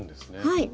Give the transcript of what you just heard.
はい。